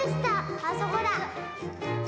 あそこだ。